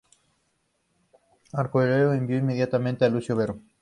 Marco Aurelio envió inmediatamente a Lucio Vero.